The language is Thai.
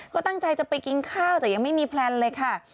ก็ตั้งใจจะไปกินข้าวแต่ยังไม่มีแพลนเลยค่ะ